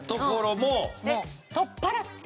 もう取っ払って。